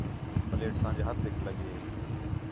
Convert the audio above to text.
پلیٹ اساں جے ہتھیک لڳ ہے